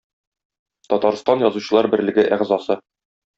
Татарстан Язучылар берлеге әгъзасы.